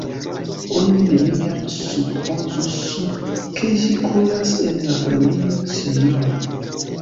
Oni neniam supozus, ke ĝi kuras en la familio, sinjoro.